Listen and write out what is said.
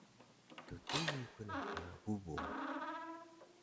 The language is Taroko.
ttuyun ku na ka bubu mu